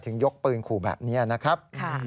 ยกปืนขู่แบบนี้นะครับ